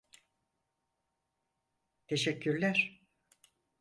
Tesekkürler.